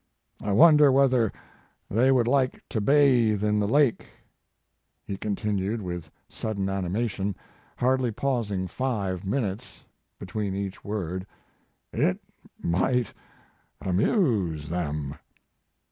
I wonder whether they would like to bathe in the lake? he con tinued, with sudden animation, hardly pausing five minutes between each word, it might amuse them.